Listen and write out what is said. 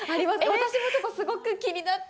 私もちょっとすごく気になって。